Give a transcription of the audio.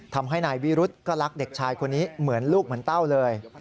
ทำให้นายวิรุธก็รักเด็กชายคนนี้เหมือนลูกเหมือนเต้าเลย